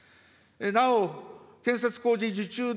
なお、建設工事受注